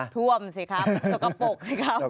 ท่วมสิครับโดกปกสิครับ